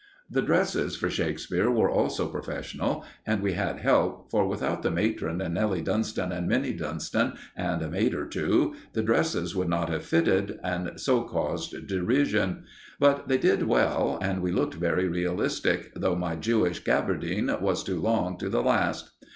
The dresses for Shakespeare were also professional, and we had help, for without the matron and Nelly Dunston and Minnie Dunston, and a maid or two, the dresses would not have fitted, and so caused derision. But they did well, and we looked very realistic, though my Jewish gaberdine was too long to the last.